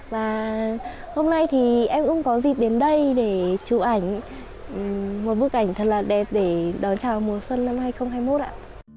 và hôm nay thì em cũng có dịp đến đây để chụp ảnh một bức ảnh thật là đẹp để đón chào mùa xuân năm hai nghìn hai mươi một ạ